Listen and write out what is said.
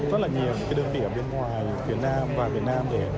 rất là nhiều đơn vị ở bên ngoài việt nam và việt nam